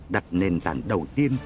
đặt nền tảng đầu tiên